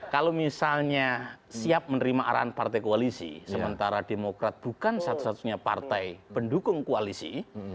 kalau misalnya siap menerima arahan partai koalisi sementara demokrat bukan satu satunya partai pendukung koalisi